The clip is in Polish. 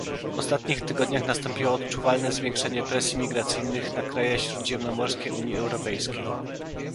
W ostatnich tygodniach nastąpiło odczuwalne zwiększenie presji migracyjnych na kraje śródziemnomorskie Unii Europejskiej